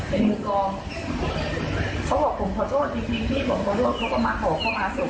เป็นมือกองเขาบอกผมขอโทษจริงจริงที่ผมขอโทษเขาก็มาขอเข้ามาศพ